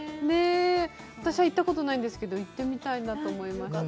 私は行ったことないんですけど、行ってみたいなと思いました。